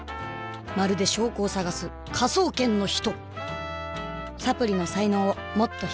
まるで証拠を探す「科捜研の人」！！